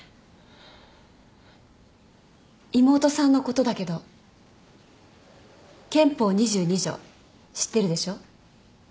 妹さんのことだけど憲法２２条知ってるでしょ？